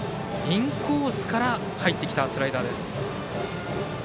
インコースから入ってきたスライダーです。